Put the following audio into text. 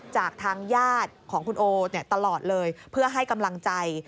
จากทางญาติของคุณโอตลอดเลยเพื่อให้กำลังใจ